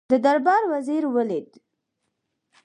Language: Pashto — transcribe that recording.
د دربار وزیر ولید.